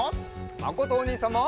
まことおにいさんも！